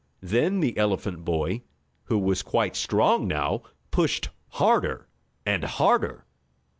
Then the elephant boy, who was quite strong now, pushed harder and harder.